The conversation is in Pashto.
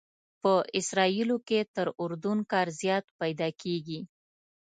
په اسرائیلو کې تر اردن کار زیات پیدا کېږي.